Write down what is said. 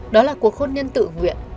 đó là cuộc hôn nhân tự nguyện